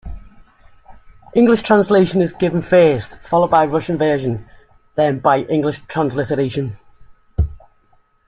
English translation is given first, followed by Russian version, then by English transliteration.